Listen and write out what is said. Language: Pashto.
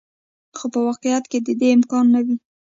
خو په واقعیت کې د دې امکان نه و.